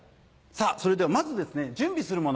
さぁそれではまず準備するもの